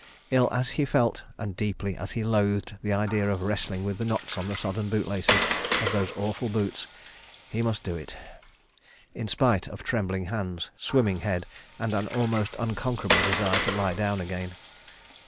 Ill as he felt, and deeply as he loathed the idea of wrestling with the knots in the sodden boot laces of those awful boots, he must do it—in spite of trembling hands, swimming head, and an almost unconquerable desire to lie down again.